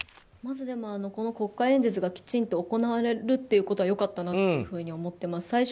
まず、この国会演説がきちんと行われることは良かったなと思ってます。